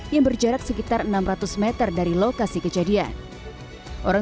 yang berjarak sekitar enam ratus meter dari lokasi kejadian